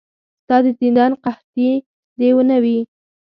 ستا د دیدن قحطي دې نه وي.